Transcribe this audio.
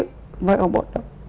phải không hết đâu